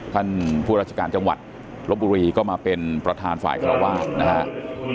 ท่านผู้ราชการจังหวัดลบบุรีก็มาเป็นประธานฝ่ายคาราวาสนะครับ